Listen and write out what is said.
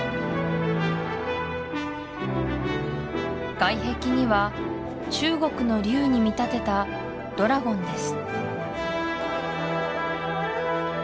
外壁には中国の竜に見立てたドラゴンです